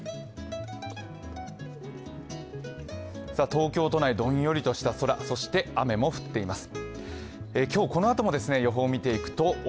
東京都内、どんよりとした空そして雨も降っています。